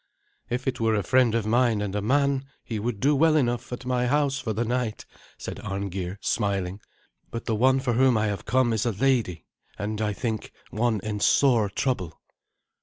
"If it were a friend of mine and a man he would do well enough at my house for the night," said Arngeir, smiling; "but the one for whom I have come is a lady, and, I think, one in sore trouble."